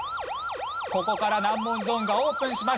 ここから難問ゾーンがオープンします。